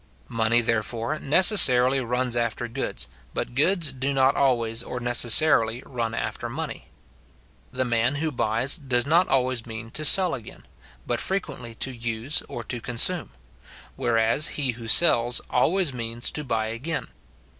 Money, therefore, necessarily runs after goods, but goods do not always or necessarily run after money. The man who buys, does not always mean to sell again, but frequently to use or to consume; whereas he who sells always means to buy again.